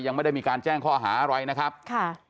ยังไม่ได้มีการแจ้งข้อหาอะไรนะครับค่ะ